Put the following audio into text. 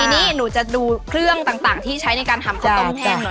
ทีนี้หนูจะดูเครื่องต่างที่ใช้ในการทำข้าวต้มแทน